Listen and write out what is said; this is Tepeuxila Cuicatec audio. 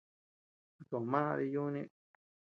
Kuto mà dii yuni.